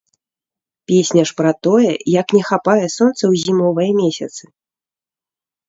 Песня ж пра тое, як не хапае сонца ў зімовыя месяцы.